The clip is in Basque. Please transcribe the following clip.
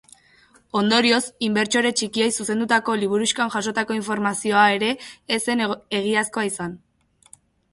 Ondorioz, inbertsore txikiei zuzendutako liburuxkan jasotako informazioa ere ez zen egiazkoa izan.